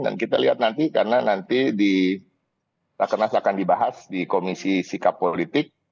dan kita lihat nanti karena nanti di rakenas akan dibahas di komisi sikap politik